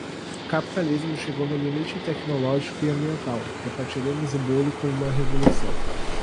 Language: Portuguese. Capitalismo chegou no limite tecnológico e ambiental, repartiremos o bolo com uma revolução